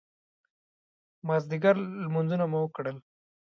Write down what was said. مازدیګر لمونځونه مو وکړل.